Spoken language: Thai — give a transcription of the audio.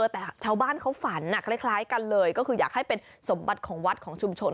แต่ชาวบ้านเขาฝันคล้ายกันเลยก็คืออยากให้เป็นสมบัติของวัดของชุมชน